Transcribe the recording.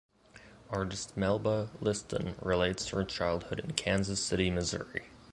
Artist Melba Liston relates her childhood in Kansas City, Missouri.